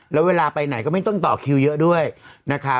แล้วเวลาไปไหนก็ไม่ต้องต่อคิวเยอะด้วยนะคะ